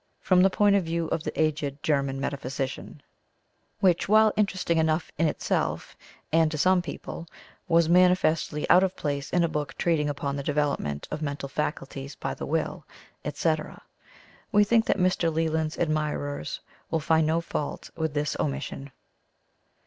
from the point of view of the aged German metaphysician, which while interesting enough in itself, and to some people, was manifestly out of place in a book treating upon the development of Mental Faculties by the Will, etc. We think that Mr. Leland's admirers will find no fault with this omission.